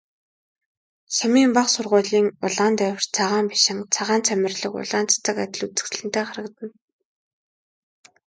Сумын бага сургуулийн улаан дээвэрт цагаан байшин, цагаан цоморлог улаан цэцэг адил үзэсгэлэнтэй харагдана.